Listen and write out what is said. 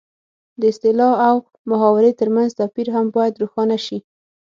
د اصطلاح او محاورې ترمنځ توپیر هم باید روښانه شي